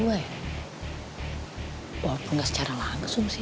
walaupun tidak secara langsung sih